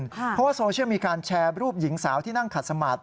เพราะว่าโซเชียลมีการแชร์รูปหญิงสาวที่นั่งขัดสมาธิ